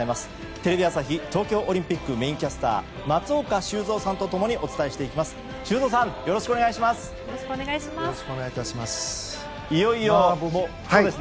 テレビ朝日東京オリンピックメインキャスター松岡修造さんと共にお伝えしていきます。